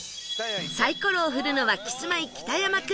サイコロを振るのはキスマイ北山君